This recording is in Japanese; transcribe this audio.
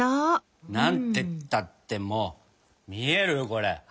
なんてったってもう見えるよこれ。